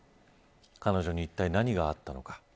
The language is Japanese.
彼女にいったい何があったのか。